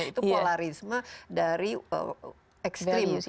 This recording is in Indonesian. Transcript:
itu polarisme dari ekstrim